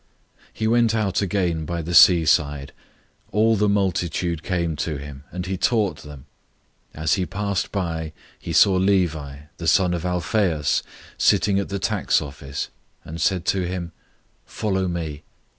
002:013 He went out again by the seaside. All the multitude came to him, and he taught them. 002:014 As he passed by, he saw Levi, the son of Alphaeus, sitting at the tax office, and he said to him, "Follow me."